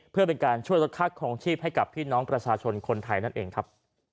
เพื่อเป็นการช่วยลดค่าครองชีพให้กับพี่น้องประชาชนคนไทยนั่นเองครับ